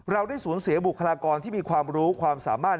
เราได้สูญเสียบุคลากรที่มีความรู้ความสามารถ